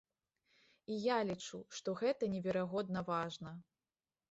І я лічу, што гэта неверагодна важна.